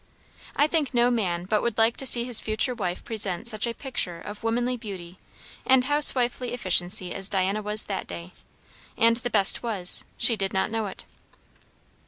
I think no man but would like to see his future wife present such a picture of womanly beauty and housewifely efficiency as Diana was that day. And the best was, she did not know it.